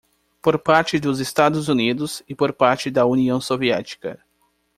por parte dos Estados Unidos e por parte da União Soviética.